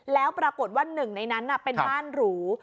แล้วปรากฏว่าหนึ่งในนั้นเป็นบ้านหรู